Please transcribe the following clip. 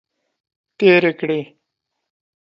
تیرې کړې.